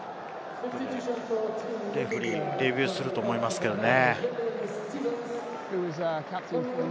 レフェリーはレビューすると思いますけれどね。